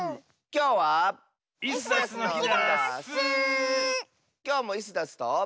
きょうもイスダスと。